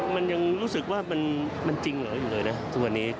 มันยังรู้สึกว่ามันจริงเหรออยู่เลยนะ